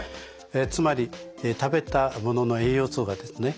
つまり食べたものの栄養素がですね